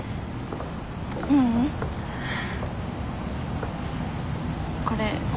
ううん。これ。